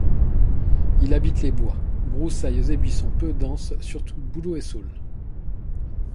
Il habite les bois, broussailles et buissons peu denses, surtout bouleaux et saules.